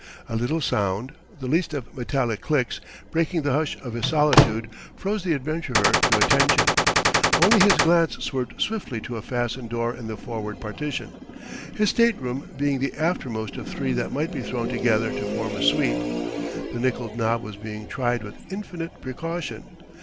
A little sound, the least of metallic clicks, breaking the hush of his solitude, froze the adventurer to attention. Only his glance swerved swiftly to a fastened door in the forward partition his stateroom being the aftermost of three that might be thrown together to form a suite. The nickeled knob was being tried with infinite precaution.